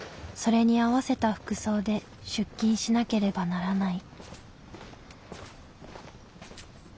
それに合わせた服装で出勤しなければならない。